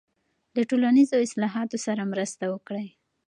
له ټولنیزو اصلاحاتو سره مرسته وکړئ.